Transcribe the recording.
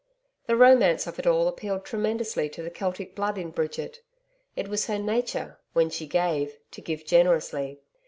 The romance of it all appealed tremendously to the Celtic blood in Bridget. It was her nature, when she gave, to give generously.